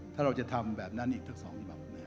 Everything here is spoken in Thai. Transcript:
ถ้าเราจะทำแบบนั้นอีกสัก๒ฉบับ